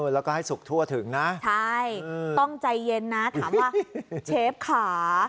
แล้วก็ให้สุกทั่วถึงนะใช่ต้องใจเย็นนะถามว่าเชฟค่ะ